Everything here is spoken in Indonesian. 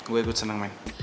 gue ikut seneng main